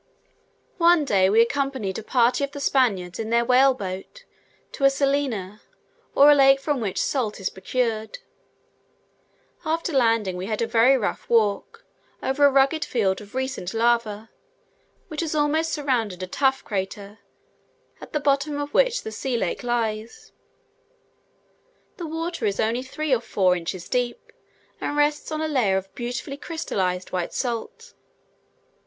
One day we accompanied a party of the Spaniards in their whale boat to a salina, or lake from which salt is procured. After landing, we had a very rough walk over a rugged field of recent lava, which has almost surrounded a tuff crater, at the bottom of which the salt lake lies. The water is only three or four inches deep, and rests on a layer of beautifully crystallized, white salt.